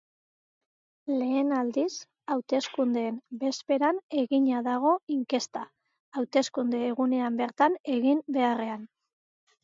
Lehen aldiz, hauteskundeen bezperan egina dago inkesta, hauteskunde-egunean bertan egin beharrean.